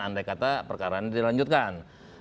andai kata perkara ini dilanjutkan